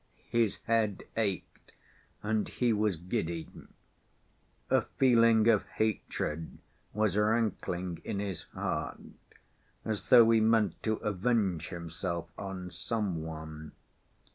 His head ached and he was giddy. A feeling of hatred was rankling in his heart, as though he meant to avenge himself on some one.